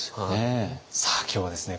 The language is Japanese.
さあ今日はですね